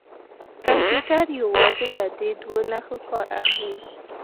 کمپیوټر یوازې له دې دوو نښو کار اخلي.